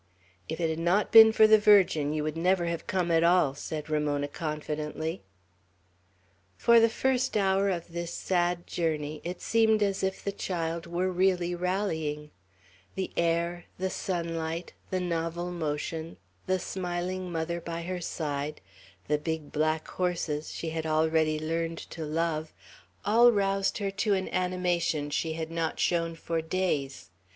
"If it had not been for the Virgin, you would never have come at all," said Ramona, confidently. For the first hour of this sad journey it seemed as if the child were really rallying; the air, the sunlight, the novel motion, the smiling mother by her side, the big black horses she had already learned to love, all roused her to an animation she had not shown for days.